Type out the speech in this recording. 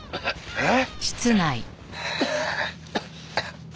えっ？